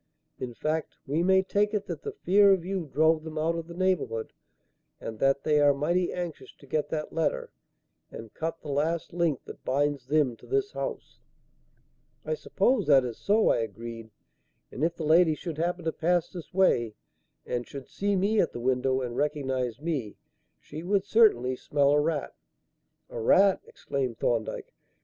In fact, we may take it that the fear of you drove them out of the neighbourhood, and that they are mighty anxious to get that letter and cut the last link that binds them to this house." "I suppose that is so," I agreed; "and if the lady should happen to pass this way and should see me at the window and recognize me, she would certainly smell a rat." "A rat!" exclaimed Thorndyke.